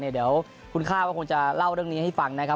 เดี๋ยวคุณค่าก็คงจะเล่าเรื่องนี้ให้ฟังนะครับ